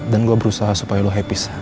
dan gue berusaha supaya lo happy sak